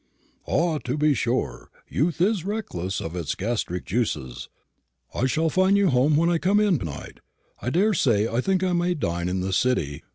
"Ah, to be sure; youth is reckless of its gastric juices. I shall find you at home when I come in to night, I daresay. I think I may dine in the city.